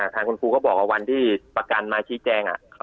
ทางครูก็บอกว่าวันประกันมาชี้แจ้ง